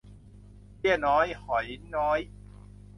เบี้ยน้อยหอยน้อย